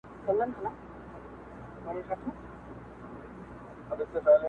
ستا په نامه كي چي د خپل ژوندانه ژوند ووينــــــــم